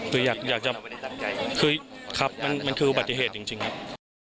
คืออยากจะคือครับมันคืออุบัติเหตุจริงครับ